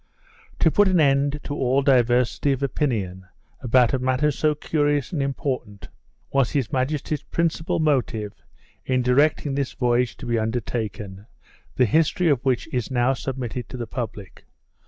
To put an end to all diversity of opinion about a matter so curious and important, was his majesty's principal motive in directing this voyage to be undertaken, the history of which is now submitted to the public.